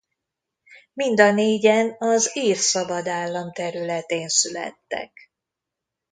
Mind a négyen az Ír Szabad Állam területén születtek.